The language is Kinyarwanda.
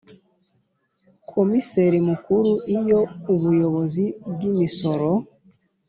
Komiseri Mukuru Iyo Ubuyobozi bw imisoro